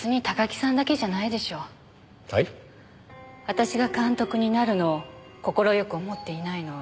私が監督になるのを快く思っていないのは。